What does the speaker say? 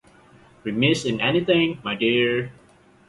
Remiss in anything, my dear!